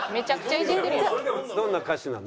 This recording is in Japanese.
どんな歌詞なの？